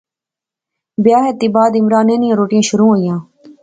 بیاہے تھی بعد عمرانے نیاں روٹیاں شروع ہوئیاں